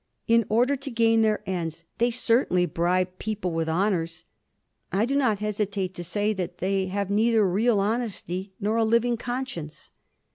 In order to gain their ends, they certainly bribe people with honours. I do not hesitate to say that they have neither real honesty nor a living conscience.